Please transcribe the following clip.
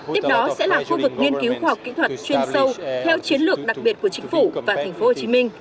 tiếp đó sẽ là khu vực nghiên cứu khoa học kinh thuật chuyên sâu theo chiến lược đặc biệt của chính phủ và tp hcm